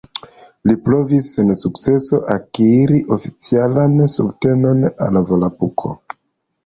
Li provis, sen sukceso, akiri oficialan subtenon al Volapuko.